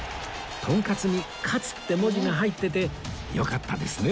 とんかつに「かつ」って文字が入っててよかったですね